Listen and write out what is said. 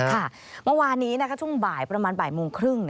เมื่อวานนี้ช่วงบ่ายประมาณบ่ายโมงครึ่ง